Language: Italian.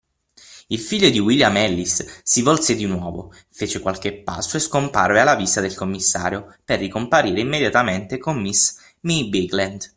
Il figlio di William Ellis si volse di nuovo, fece qualche passo e scomparve alla vista del commissario, per ricomparire immediatamente con miss May Bigland.